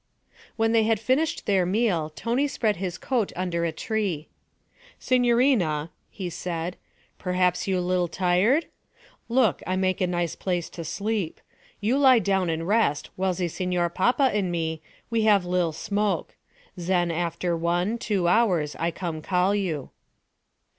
When they had finished their meal Tony spread his coat under a tree. 'Signorina,' he said, 'perhaps you li'l' tired? Look, I make nice place to sleep. You lie down and rest while ze Signor Papa and me, we have li'l' smoke. Zen after one, two hours I come call you.'